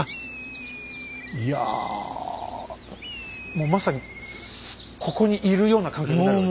いやもうまさにここにいるような感覚になるわけ？